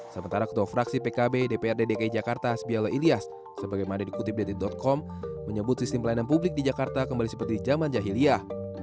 sementara ketua fraksi pkb dprd dki jakarta asbiala ilyas sebagaimana dikutip dari com menyebut sistem pelayanan publik di jakarta kembali seperti zaman jahiliyah